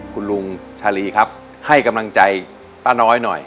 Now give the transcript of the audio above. คุณลุงชาลีครับให้กำลังใจป้าน้อยหน่อย